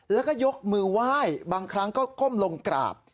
แล้วก็ยกมือไหว้บางครั้งก็ก้มลงกราบ